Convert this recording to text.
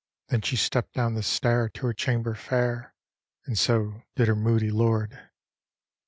Then she stepp'd down the stair to her chamber fair, And so did her moody lord.